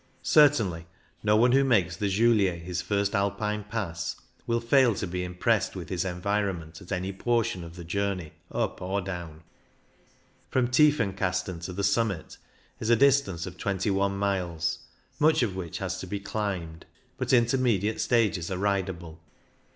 Certainly no one who makes 8o CYCLING IN THE ALPS the Julier his first Alpine Pass will fail to be impressed with his environment at any portion of the journey, up or doWn. From Tiefenkasten to the summit is a distance of twenty one miles, much of which has to be climbed, but intermediate stages are ridable.